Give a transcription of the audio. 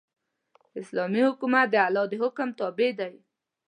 اسلامي حکومت د الله د حکم تابع دی.